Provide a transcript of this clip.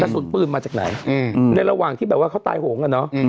กระสุนปืนมาจากไหนในระหว่างที่แบบว่าเขาตายโหงกันเนอะ